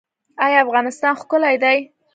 آیا افغانستان ښکلی دی؟